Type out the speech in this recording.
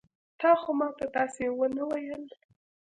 تا خو ما ته داسې ونه ويل.